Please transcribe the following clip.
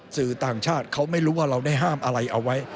สื่อต่างชาติเขาไม่รู้ว่าเราได้ห้ามอะไรเอาไว้